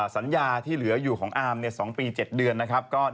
สัญญาที่เหลือ๒ปี๗เดือนนะครบ